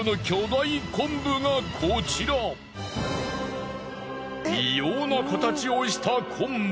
その異様な形をした昆布。